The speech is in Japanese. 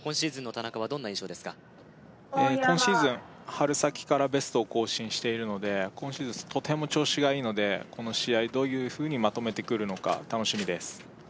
ＯｎＹｏｕｒＭａｒｋｓ今シーズン春先からベストを更新しているので今シーズンとても調子がいいのでこの試合どういうふうにまとめてくるのか楽しみです